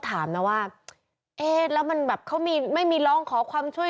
ถามนะว่าเอ๊ะแล้วมันแบบเขามีไม่มีร้องขอความช่วย